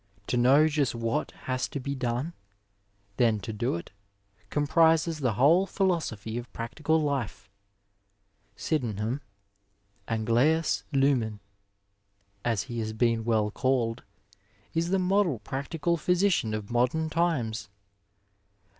To know just what has to be done, then to do it, comprises the whole philosophy of practical life. Sydenham — An^im lummy as he has been weU called — ^is the model practical physician of modem times.